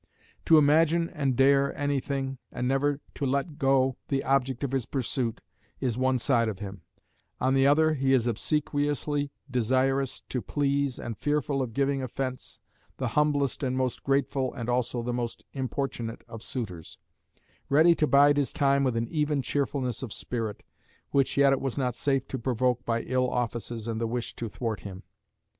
To imagine and dare anything, and never to let go the object of his pursuit, is one side of him; on the other he is obsequiously desirous to please and fearful of giving offence, the humblest and most grateful and also the most importunate of suitors, ready to bide his time with an even cheerfulness of spirit, which yet it was not safe to provoke by ill offices and the wish to thwart him.